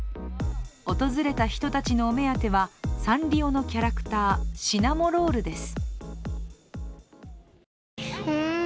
訪れた人たちのお目当てはサンリオのキャラクター、シナモロールです。